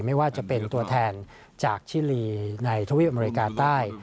ไม่ว่าจะเป็นตัวแทนจากชิลีในทวีปอเมริกาใต้